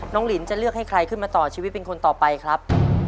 หลินจะเลือกให้ใครขึ้นมาต่อชีวิตเป็นคนต่อไปครับ